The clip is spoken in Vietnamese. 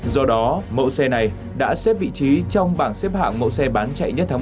do đó mẫu xe này đã xếp vị trí trong bảng xếp hạng mẫu xe bán chạy nhất tháng một